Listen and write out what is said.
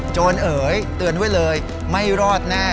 เอ๋ยเตือนไว้เลยไม่รอดแน่